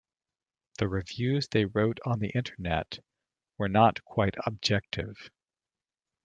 The reviews they wrote on the Internet were not quite objective.